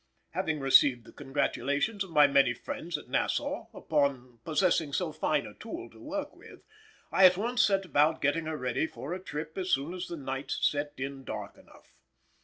Having received the congratulations of my many friends at Nassau upon possessing so fine a tool to work with, I at once set about getting her ready for a trip as soon as the nights set in dark enough.